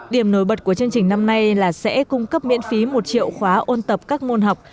điểm nổi bật của chương trình năm nay là sẽ cung cấp miễn phí một triệu khóa ôn tập các môn học